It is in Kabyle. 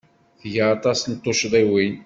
Tga aṭas n tuccḍiwin.